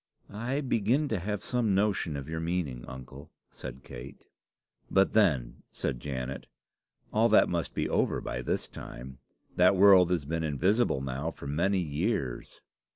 "I begin to have some notion of your meaning, uncle," said Kate. "But then," said Janet, "all that must be over by this time. That world has been invisible now for many years."